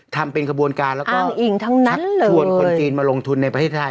ทำเป็นกระบวนการแล้วก็อ้างอิ่งทั้งนั้นเลยชักชวนคนจีนมาลงทุนในประเทศไทย